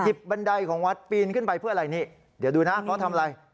บันไดของวัดปีนขึ้นไปเพื่ออะไรนี่เดี๋ยวดูนะเขาทำอะไร